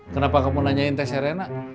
kenapa kamu nanyain teh serena